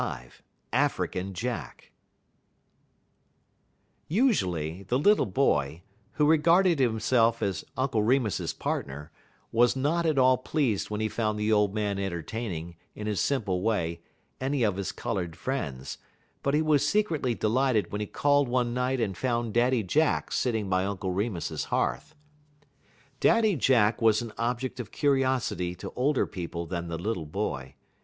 XXV AFRICAN JACK Usually, the little boy, who regarded himself as Uncle Remus's partner, was not at all pleased when he found the old man entertaining, in his simple way, any of his colored friends; but he was secretly delighted when he called one night and found Daddy Jack sitting by Uncle Remus's hearth. Daddy Jack was an object of curiosity to older people than the little boy.